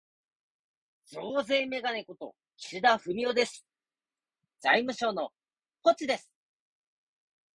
増税めがね事、岸田文雄です。財務省のポチです。